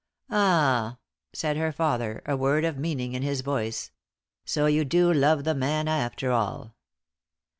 "Ah!" said her father, a word of meaning in his voice. "So you do love the man after all?"